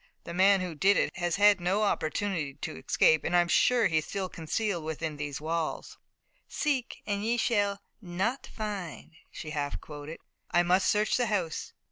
The man who did it has had no opportunity to escape, and I'm sure that he's still concealed within these walls." "Seek and ye shall not find," she half quoted. "I must search the house."